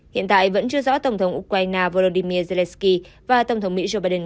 hiện tại vẫn chưa rõ tổng thống ukraine volodymyr zelensky và tổng thống mỹ joe biden